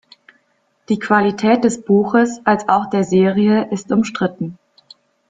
Die Qualität des Buches als auch der Serie ist umstritten.